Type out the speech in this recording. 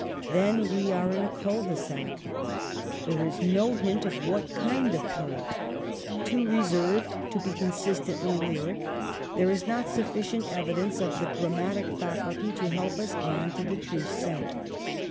Then we are in a cul de sac. There is no hint of what kind of poet — too reserved to be consistently lyric, there is not sufficient evidence of the dra matic faculty to help us on to the true scent.